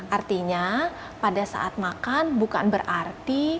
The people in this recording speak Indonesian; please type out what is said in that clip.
artinya pada saat makan bukan berarti